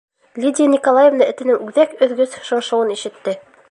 Лидия Николаевна этенең үҙәк өҙгөс шыңшыуын ишетте.